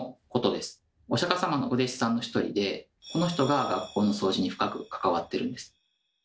お釈様のお弟子さんの一人でこの人が学校の掃除に深く関わってるんです。